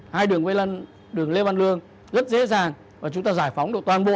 hai đường vây lân đường lê văn lương rất dễ dàng và chúng ta giải phóng được toàn bộ